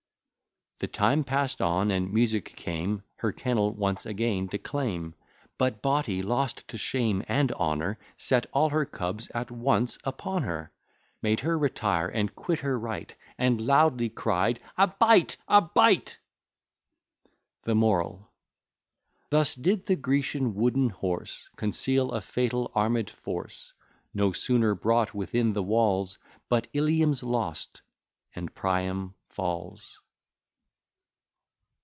The time pass'd on; and Music came Her kennel once again to claim, But Bawty, lost to shame and honour, Set all her cubs at once upon her; Made her retire, and quit her right, And loudly cried "A bite! bite!" THE MORAL Thus did the Grecian wooden horse Conceal a fatal armed force: No sooner brought within the walls, But Ilium's lost, and Priam falls.